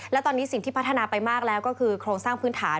และตอนนี้สิ่งที่พัฒนาไปมากแล้วก็คือโครงสร้างพื้นฐาน